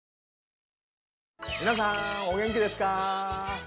皆さんお元気ですか？